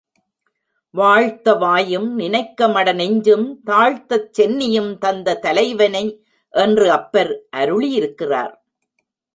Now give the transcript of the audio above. வாழ்த்த வாயும் நினைக்க மடநெஞ்சும் தாழ்த்தச் சென்னியும் தந்த தலைவனை என்று அப்பர் அருளியிருக்கிறார்.